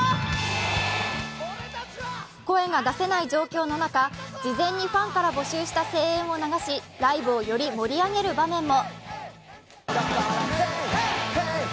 声が出せない状況の中、事前にファンから募集した声援を流し、ライブをより盛り上げる場面も。